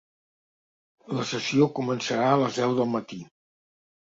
La sessió començarà a les deu del matí.